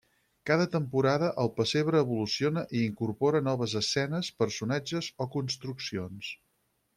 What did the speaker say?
Cada temporada el pessebre evoluciona i incorpora noves escenes, personatges o construccions.